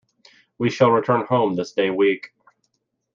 We shall return home this day week.